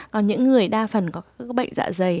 còn những người đa phần có bệnh dạ dày